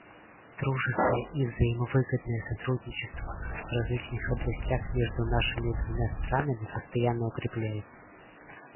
Дружеское и взаимовыгодное сотрудничество в различных областях между нашими двумя странами постоянно укрепляется.